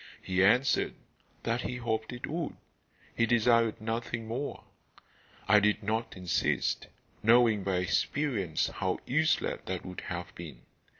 He answered that he hoped it would. He desired nothing more. I did not insist, knowing by experience how useless that would have been.